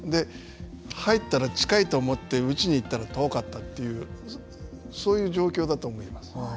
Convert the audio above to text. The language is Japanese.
入ったら近いと思って打ちに行ったら遠かったというそういう状況だと思います。